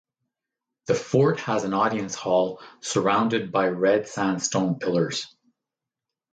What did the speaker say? The fort has an audience hall surrounded by red sandstone pillars.